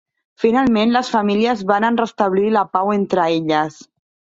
Finalment, les famílies varen restablir la pau entre elles.